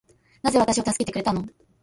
なぜ私を助けてくれたの